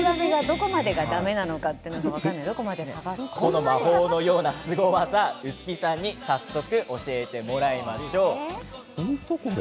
この魔法のようなスゴ技薄木さんに早速、教えてもらいましょう。